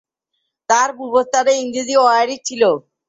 তার পূর্বপুরুষগণ ইংরেজ ও আইরিশ ছিল।